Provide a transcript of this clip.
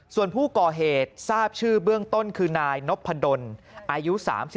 ส่วนผู้ก่อเหตุทราบชื่อเบื้องต้นคือนายนพดลอายุ๓๒